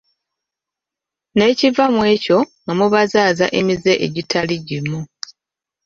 N'ekiva mu ekyo nga mubazaaza emize egitali gimu.